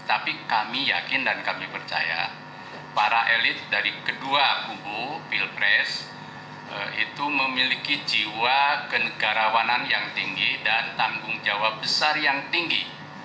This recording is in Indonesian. tapi kami yakin dan kami percaya para elit dari kedua kubu pilpres itu memiliki jiwa kenegarawanan yang tinggi dan tanggung jawab besar yang tinggi